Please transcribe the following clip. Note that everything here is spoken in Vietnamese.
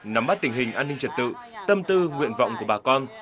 nắm bắt tình hình an ninh trật tự tâm tư nguyện vọng của bà con